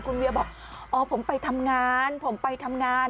คุณเวียบอกอ๋อผมไปทำงานผมไปทำงาน